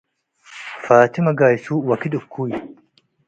ፋቲ መጋይሱ ወክድ እኩይ